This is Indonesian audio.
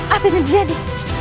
apa yang terjadi